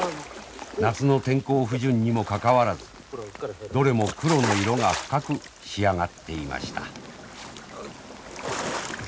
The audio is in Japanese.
夏の天候不順にもかかわらずどれも黒の色が深く仕上がっていました。